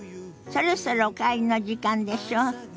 そろそろお帰りの時間でしょ？